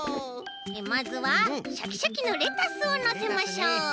まずはシャキシャキのレタスをのせましょう！